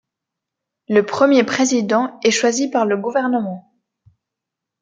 Le premier président est choisi par le gouvernement.